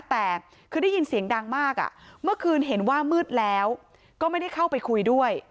แต่คือได้ยินเสียงดังมากอ่ะเมื่อคืนเห็นว่ามืดแล้วก็ไม่ได้เข้าไปคุยด้วย